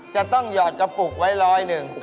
จะต้องหยอดกระปุกไว้ร้อยหนึ่ง